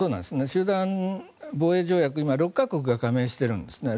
集団防衛条約は今、６か国が加盟してるんですね。